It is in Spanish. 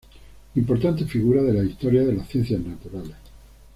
Importante figura de la historia de la Ciencias naturales.